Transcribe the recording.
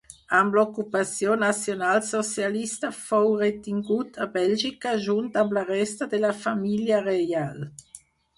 Amb l'ocupació nacionalsocialista fou retingut a Bèlgica junt amb la resta de la família reial.